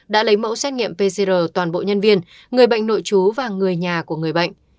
đã lấy mẫu xét nghiệm pcr toàn bộ nhân viên người bệnh nội chú và người nhà của người bệnh